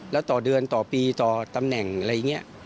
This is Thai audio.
แล้วต่อเดือนต่อปีต่อตำแหน่งอะไรอย่างนี้